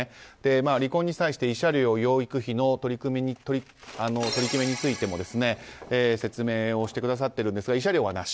離婚に際して、慰謝料、養育費の取り決めについても説明をしてくださってるんですが慰謝料はなし。